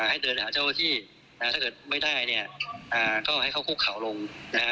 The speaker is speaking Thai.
ให้เดินหาเจ้าที่ถ้าเกิดไม่ได้เนี่ยก็ให้เขาโคกเข่าลงนะ